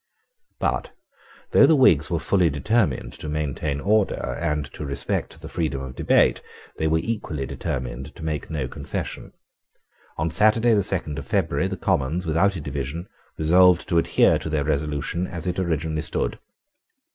But, though the Whigs were fully determined to maintain order and to respect the freedom of debate, they were equally determined to make no concession. On Saturday the second of February the Commons, without a division, resolved to adhere to their resolution as it originally stood.